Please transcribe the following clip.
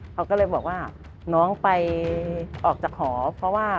เขาก็เลยบอกว่าน้องไปออกจากหอเพราะว่า